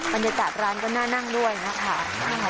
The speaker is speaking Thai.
บรรยากาศร้านก็น่านั่งด้วยนะคะ